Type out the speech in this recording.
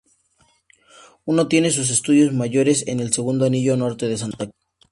Uno tiene sus estudios mayores en el segundo anillo norte de Santa Cruz.